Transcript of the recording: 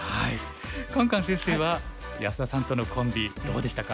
カンカン先生は安田さんとのコンビどうでしたか？